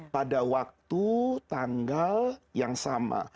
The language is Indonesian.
pada waktu tanggal yang sama